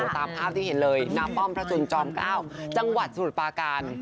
ตามภาพที่เห็นเลยน้ำป้อมพระสุนจอมเก้าจังหวัดสุรปาการ